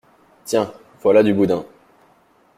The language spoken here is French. Tiens voilà du boudin.